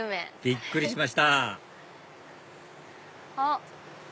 びっくりしましたあっ！